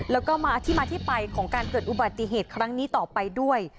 แล้วก็มาที่มาที่ไปของการเกิดอุบัติเหตุครั้งนี้ต่อไปด้วย